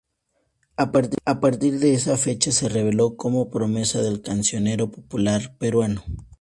A partir esa fecha se reveló como promesa del cancionero popular peruano.